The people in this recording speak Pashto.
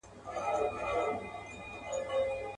چي عطار هر څه شکري ورکولې.